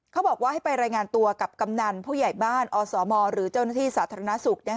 เขาบอกว่าให้ไปรายงานตัวกับกำนันผู้ใหญ่บ้านอสมหรือเจ้าหน้าที่สาธารณสุข